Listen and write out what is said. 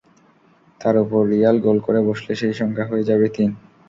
তার ওপর রিয়াল গোল করে বসলে সেই সংখ্যা হয়ে যাবে তিন।